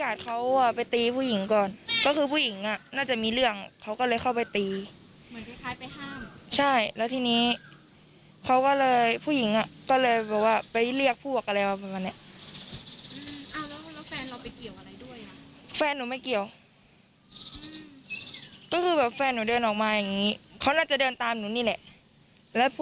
แล้วพวกเสื้อเหลืองก็เลยยิงเลยหรือเปล่า